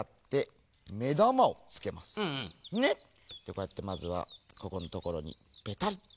こうやってまずはここんところにペタリね。